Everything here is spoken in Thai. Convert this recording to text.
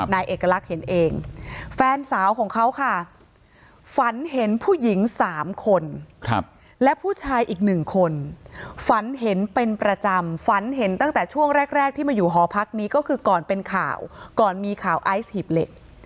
นายเอกลักษณ์เห็นเองแฟนสาวของเขาค่ะฝันเห็นผู้หญิง๓คนและผู้ชายอีกหนึ่งคนฝันเห็นเป็นประจำฝันเห็นตั้งแต่ช่วงแรกที่มาอยู่หอพักนี้ก็คือก่อนเป็นข่าวก่อนมีข่าวไอซ์หีบเหล็ก